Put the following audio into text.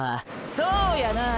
そうやな！！